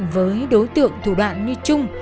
với đối tượng thủ đoạn như trung